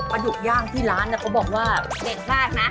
ปลาดุกย่างที่ร้านน่ะเขาบอกว่าเด็ดแรกนะ